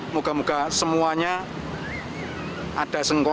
moga moga semuanya ada sengkong